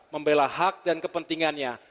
membela hak dan kepentingannya